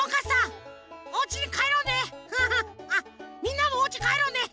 あっみんなもおうちかえろうね！